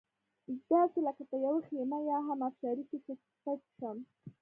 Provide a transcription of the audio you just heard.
داسې لکه په یوه خېمه یا هم ابشار کې چې پټ شم.